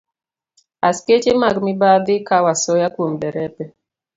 Askeche mag mibadhi kawo asoya kuom derepe